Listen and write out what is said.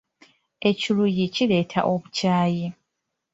Ekiruyi kireeta obukyaayi.